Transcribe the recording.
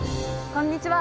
こんにちは。